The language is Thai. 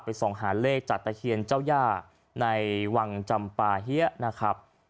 ส่องหาเลขจากตะเคียนเจ้าย่าในวังจำปาเฮียนะครับ